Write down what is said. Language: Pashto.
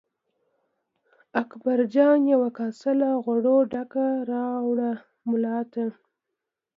اکبرجان یوه کاسه له غوړو ډکه راوړه ملا ته.